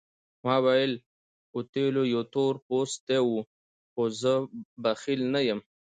ما وویل اوتیلو یو تور پوستی وو خو زه بخیل نه یم.